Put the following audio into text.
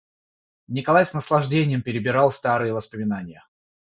Николай с наслаждением перебирал старые воспоминания.